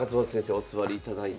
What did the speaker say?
お座りいただいて。